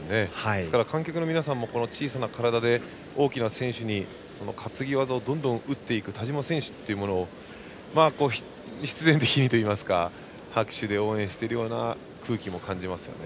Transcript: ですから観客の皆さんもこの小さな体で大きな選手に担ぎ技をどんどん打っていく田嶋選手を必然的にというか拍手で応援している空気も感じますよね。